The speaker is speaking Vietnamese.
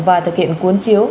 và thực hiện cuốn chiếu